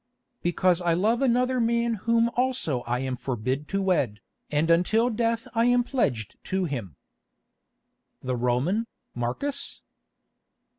"Because I love another man whom also I am forbid to wed, and until death I am pledged to him." "The Roman, Marcus?"